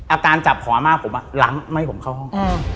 อาการจับของอาม่าผมล้ำให้ผมเข้าห้อง